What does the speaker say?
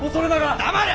黙れ！